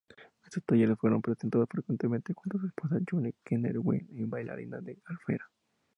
Estos talleres fueron presentados frecuentemente junto a su esposa June Keener-Wink, bailarina y alfarera.